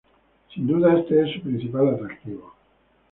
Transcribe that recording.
Sin duda este es su principal atractivo.